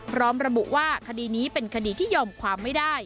พร้อมระบุว่าคดีนี้เป็นคดีที่ยอมความไม่ได้